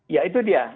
ya itu dia